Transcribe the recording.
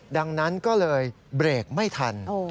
ดังนั้นก็เลยเบรกไม่ทัน